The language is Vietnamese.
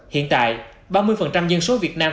hiện tại ba mươi dân số việt nam